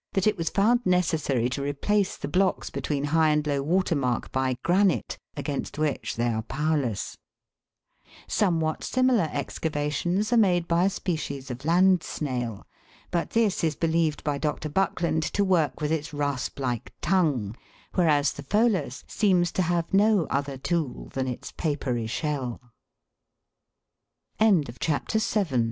that it was found necessary to replace the blocks between high and low water mark by granite, against which they are powerless. Somewhat similar excavations are made by a species of land snail ; but this is believed by Dr. Buckland to work with its rasp like tongue, whereas the pholas seems to have no other tool